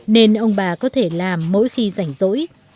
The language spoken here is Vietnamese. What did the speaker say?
nên ông bà có thể làm mỗi khi rảnh rỗi